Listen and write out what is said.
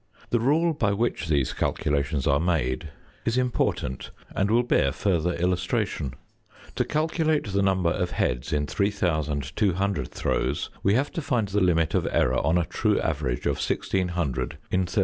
The rule by which these calculations are made is important and will bear further illustration. To calculate the number of heads in 3200 throws, we have to find the limit of error on a true average of 1600 in 3200.